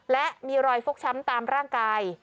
และมีรอยฟกช้ำตามร่างกาย